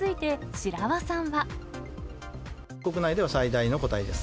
国内では最大の個体です。